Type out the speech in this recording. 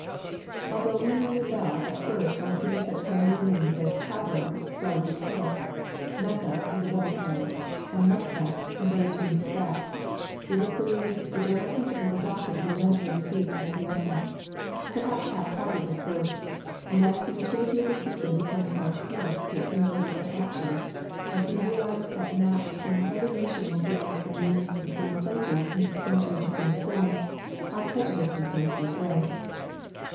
Although we may rebel at first on seeing such familiar names as Cairo spelled with a K, Mecca Avith double k, and Muscat converted into Maskat, it is believed the general principles adopted will eventually receive acquiescence — perhaps half hearted at first — and as the utility of the system becomes more apparent through its universal adoption and we realize that maps from whatever nation Avill give us the names of the same places in substantially the same form, our prejudices must give way.